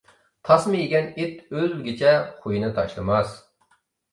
تاسما يېگەن ئىت ئۆلگۈچە خۇيىنى تاشلىماس.